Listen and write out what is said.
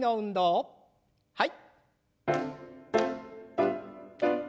はい。